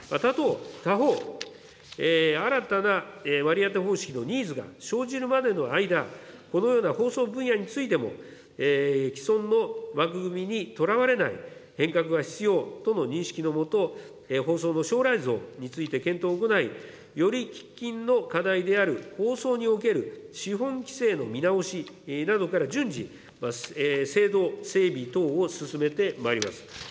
他方、新たな割り当て方式のニーズが生じるまでの間、このような放送分野についても、既存の枠組みにとらわれない変革が必要との認識の下、放送の将来像について検討を行い、より喫緊の課題である放送における資本規制の見直しなどから順次、制度整備等を進めてまいります。